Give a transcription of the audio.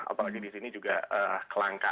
apalagi di sini juga kelangka